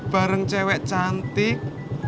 bareng cewek cantik